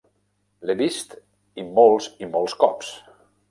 L'he vist i molts i molts cops!